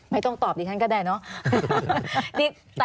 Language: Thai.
ไม่ต้องตอบดิฉันก็ได้เนอะ